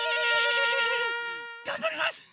がんばります！